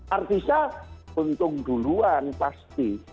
artisnya untung duluan pasti